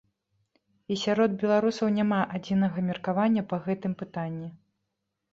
І сярод беларусаў няма адзінага меркавання па гэтым пытанні.